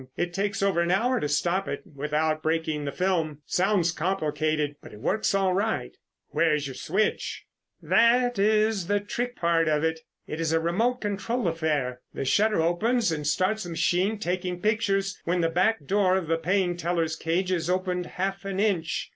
It takes over an hour to stop it without breaking the film. It sounds complicated, but it works all right." "Where is your switch?" "That is the trick part of it. It is a remote control affair. The shutter opens and starts the machine taking pictures when the back door of the paying teller's cage is opened half an inch.